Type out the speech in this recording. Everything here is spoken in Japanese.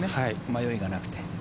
迷いがなくて。